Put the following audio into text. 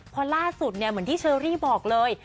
พอล่าสุดเนี่ยเหมือนที่เชอรี่บอกเลย